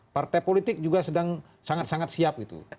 partai politik juga sedang sangat sangat siap itu